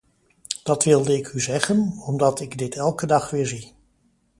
Dat wilde ik u zeggen, omdat ik dit elke dag weer zie.